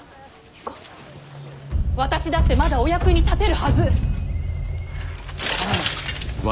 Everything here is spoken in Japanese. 私だってまだお役に立てるはず！